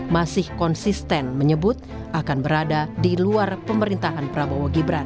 masih konsisten menyebut akan berada di luar pemerintahan prabowo gibran